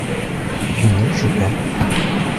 Il neige où pas ?